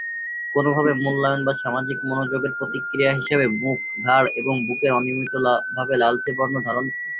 কোনোভাবে মূল্যায়ন বা সামাজিক মনোযোগের প্রতিক্রিয়া হিসাবে মুখ, ঘাড় এবং বুকের অনিয়মিতভাবে লালচে বর্ণ ধারণ করে এর ফলে।